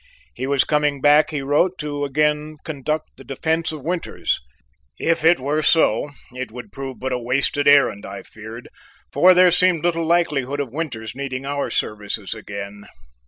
He was coming back, he wrote, to again conduct the defence of Winters; if it were so, it would prove but a wasted errand, I feared, for there seemed little likelihood of Winters needing our services again.